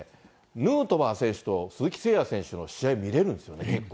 ヌートバー選手と鈴木誠也選手の試合、見れるんですよね。